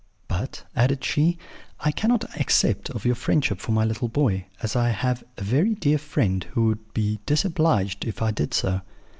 "'But,' added she, 'I cannot accept of your friendship for my little boy, as I have a very dear Friend who would be disobliged if I did so.'